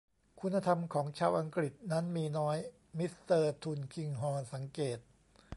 คุณธรรมของชาวอังกฤษนั้นมีน้อย มิสเตอร์ทุลคิงฮอร์นสังเกต